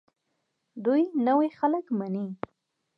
دوی نوي خلک مني.